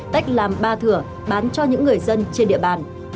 tách làm ba thửa bán cho những người dân